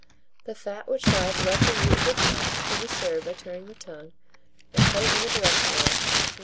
The fat which lies about the root of the tongue can be served by turning the tongue, and cutting in the direction of from 3 to 4.